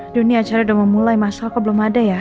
dunia acara udah mau mulai masyarakat belum ada ya